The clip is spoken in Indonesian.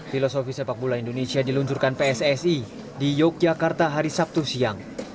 filosofi sepak bola indonesia diluncurkan pssi di yogyakarta hari sabtu siang